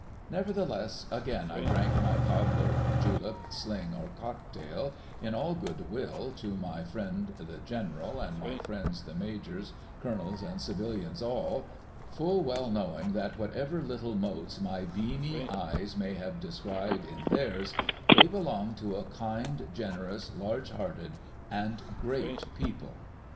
Nevertheless, again I drank my cobbler, julep, sling, or cocktail, in all good will, to my friend the General, and my friends the Majors, Colonels, and civilians all ; full well knowing that, whatever little motes my beamy eyes may have descried in theirs, they belong to a kind, generous, large hearted, and great people.